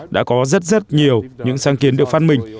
chúng tôi đã có rất rất nhiều những sáng kiến được phát minh